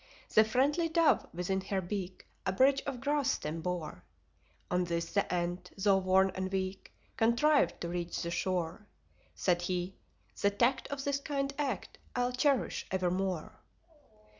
The friendly Dove within her beak A bridge of grass stem bore: On this the Ant, though worn and weak. Contrived to reach the shore Said he: "The tact of this kind act I'll cherish evermore."